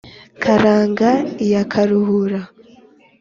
Karinga iya Karuhura.